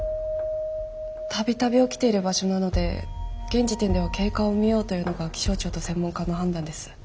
度々起きている場所なので現時点では経過を見ようというのが気象庁と専門家の判断です。